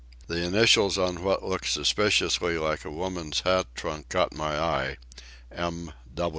The initials on what looked suspiciously like a woman's hat trunk caught my eye—"M.